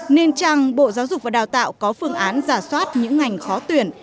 nên chăng bộ giáo dục và đào tạo có phương án giả soát những ngành khó tuyển